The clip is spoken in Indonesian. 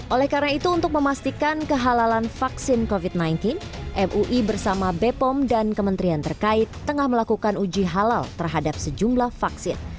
oleh karena itu untuk memastikan kehalalan vaksin covid sembilan belas mui bersama bepom dan kementerian terkait tengah melakukan uji halal terhadap sejumlah vaksin